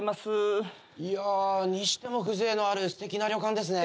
いやあにしても風情のある素敵な旅館ですね。